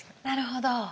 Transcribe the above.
なるほど。